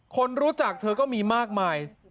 คนรู้จักเธอก็มีมากมาย